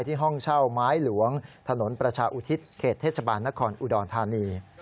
ห้องเช่าไม้หลวงถนนประชาอุทิศเขตเทศบาลนครอุดรธานี